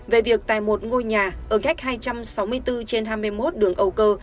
về việc tại một ngôi nhà ở cách hai trăm sáu mươi bốn trên hai mươi một đường âu cơ